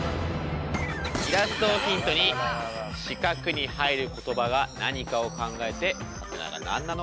イラストをヒントに四角に入る言葉が何かを考えてハテナが何なのか当ててください。